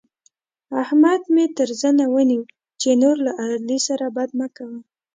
احمد مې تر زنه ونيو چې نور له علي سره بد مه کوه.